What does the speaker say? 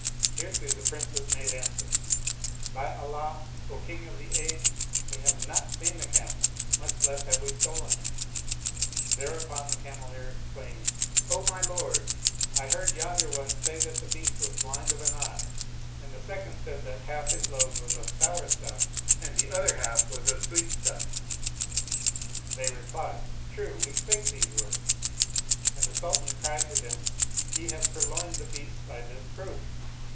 Hereto the Princes made answer, " By Allah, O King of the Age, we have not seen the camel, much less have we stolen him." Thereupon the Cameleer exclaimed, "O my lord, I heard yonder one say that the beast was blind of an eye; and the second said that half his load was of sour stuff and the other half was of sweet stuff." They replied, "True, we spake these words"; and the Sultan cried to them, "Ye have purloined the beast by this proof."